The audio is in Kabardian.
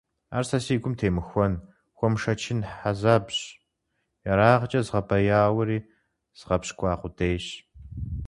Ар сэ си гум темыхуэн, хуэмышэчын хьэзабщ, ерагъкӀэ згъэбэяури згъэпщкӀуа къудейщ.